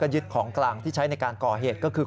ยึดของกลางที่ใช้ในการก่อเหตุก็คือ